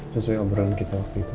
sesuai obrolan kita waktu itu